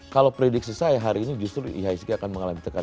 kalau prediksi saya hari ini justru ihsg akan mengalami tekanan